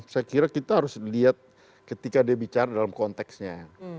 saya kira kita harus lihat ketika dia bicara dalam konteksnya